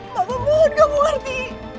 mama mohon kamu berhenti